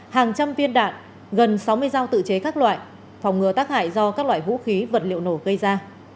hàng trăm viên đạn gần sáu mươi dao tự chế các loại phòng ngừa tác hại do các loại vũ khí vật liệu nổ gây ra